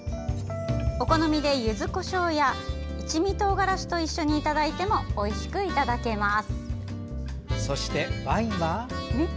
お好みでゆずこしょうや一味とうがらしと一緒にいただいてもおいしくいただけます。